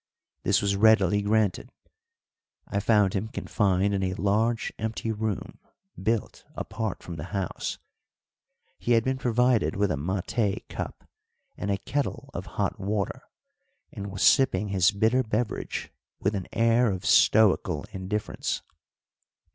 This was readily granted. I found him confined in a large empty room built apart from the house; he had been provided with a maté cup and a kettle of hot water, and was sipping his bitter beverage with an air of stoical indifference.